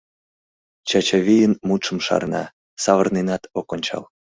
Чачавийын мутшым шарна, савырненат ок ончал.